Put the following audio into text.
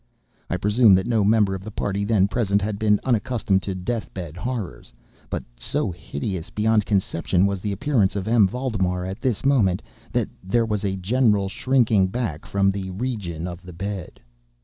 I presume that no member of the party then present had been unaccustomed to death bed horrors; but so hideous beyond conception was the appearance of M. Valdemar at this moment, that there was a general shrinking back from the region of the bed.